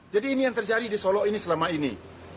jadi ini yang terjadi di solo ini selama ini